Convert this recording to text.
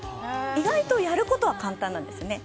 意外とやることは簡単なんです。